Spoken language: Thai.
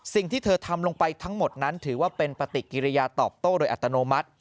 สิ่งที่เธอทำลงไปทั้งหมดนั้นถือว่าเป็นปฏิกิริยาตอบโต้โดยอัตโนมัติ